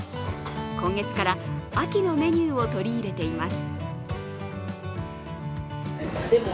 今月から秋のメニューを取り入れています。